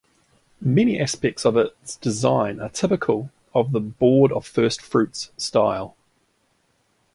Many aspects of its design are typical of the Board of First Fruits style.